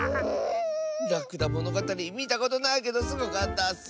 「らくだものがたり」みたことないけどすごかったッス。